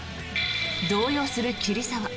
動揺する桐沢。